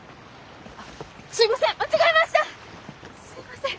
あっすいません！